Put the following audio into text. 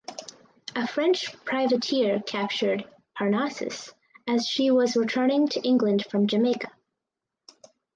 A French privateer captured "Parnassus" as she was returning to England from Jamaica.